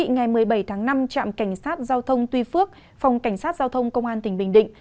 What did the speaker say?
ngày một mươi bảy tháng năm trạm cảnh sát giao thông tuy phước phòng cảnh sát giao thông công an tỉnh bình định